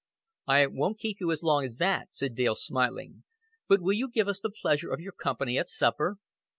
"I won't keep you as long as that," said Dale, smiling; "but will you give us the pleasure of your company at supper?"